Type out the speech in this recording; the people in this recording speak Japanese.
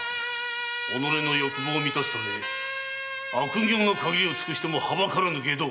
己の欲望を満たすため悪行の限りを尽くしても憚らぬ外道！